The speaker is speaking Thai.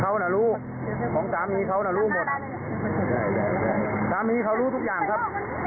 เพราะว่าตะกูลเขาน่ารู้พร้อมของตามมีดเขาน่ารู้หมด